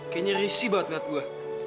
kayaknya risih banget gue